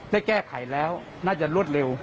ได้แก้ไขแล้วน่าจะรวดเร็ว